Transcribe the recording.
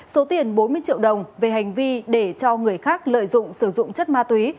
số tiền bốn mươi triệu đồng về hành vi để cho người khác lợi dụng sử dụng chất ma túy